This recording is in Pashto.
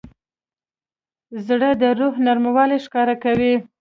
زړه د روح نرموالی ښکاره کوي.